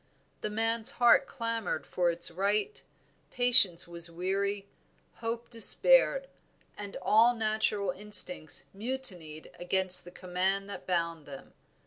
The man's heart clamored for its right, patience was weary, hope despaired, and all natural instincts mutinied against the command that bound them.